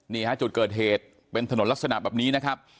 นี่ฮะจุดเกิดเหตุเป็นถนนลักษณะแบบนี้นะครับ